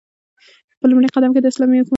په لومړی قدم كې داسلامي حكومت پيژندنه